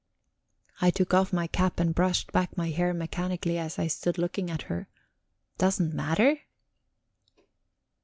I took off my cap and brushed back my hair mechanically as I stood looking at her. "Doesn't matter...?"